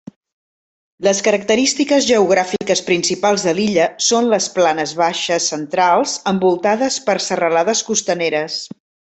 Les característiques geogràfiques principals de l'illa són les planes baixes centrals, envoltades per serralades costaneres.